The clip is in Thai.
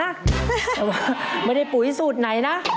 แต่ว่าไม่ได้ปุ๋ยสูตรไหนนะ